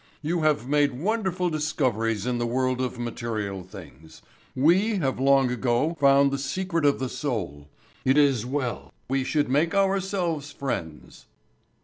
You have made wonderful discoveries in the world of material things. We have long ago found the secret of the soul. It is well we should make ourselves friends."